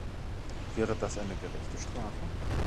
Wäre das eine gerechte Strafe?